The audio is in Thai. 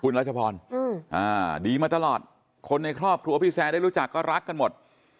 รัชพรดีมาตลอดคนในครอบครัวพี่แซร์ได้รู้จักก็รักกันหมด